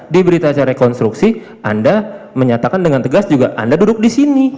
di berita acara rekonstruksi anda menyatakan dengan tegas juga anda duduk di sini